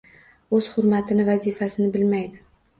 O‘z hurmatini, vazifasini bilmaydi.